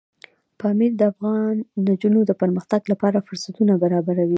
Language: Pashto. پامیر د افغان نجونو د پرمختګ لپاره فرصتونه برابروي.